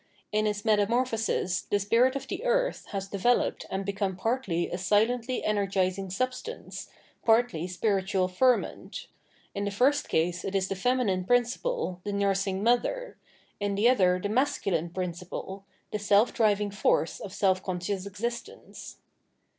In its metamorphosis the spirit of the earth has de veloped and become partly a silently energising sub stance, partly spiritual ferment ; in the first case it is the feminine principle, the nursing mother, in the other the masculine principle, the self driving force of seM conscious existence.